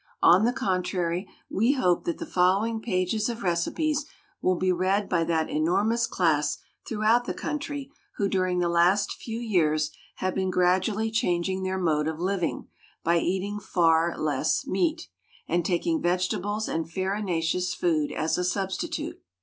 On the contrary, we hope that the following pages of recipes will be read by that enormous class throughout the country who during the last few years have been gradually changing their mode of living by eating far less meat, and taking vegetables and farinaceous food as a substitute.